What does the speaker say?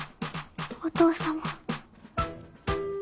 お父様。